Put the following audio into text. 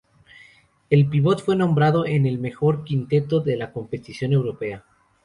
El pívot fue nombrado en el mejor quinteto de la competición europea.